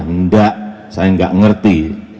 tidak saya tidak mengerti